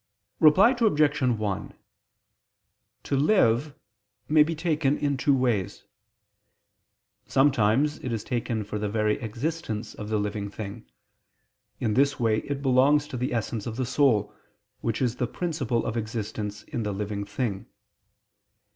Reply Obj. 1: "To live" may be taken in two ways. Sometimes it is taken for the very existence of the living thing: in this way it belongs to the essence of the soul, which is the principle of existence in the living thing.